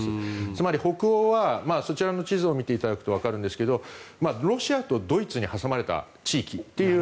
つまり北欧はそちらの地図を見ていただくとわかるんですけどロシアとドイツに挟まれた地域という。